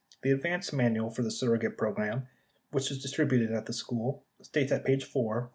The advance manual for the surrogate program, 60 which was distributed at the school, states at page 4 :..